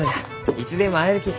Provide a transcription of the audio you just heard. いつでも会えるき。